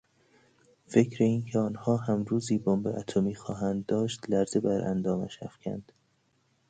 فکر اینکه آنها هم روزی بمب اتمی خواهند داشت لرزه بر اندامش افکند.